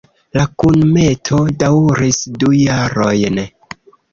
La kunmeto daŭris du jarojn.